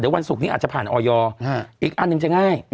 วันศุกร์นี้อาจจะผ่านออยอีกอันหนึ่งจะง่าย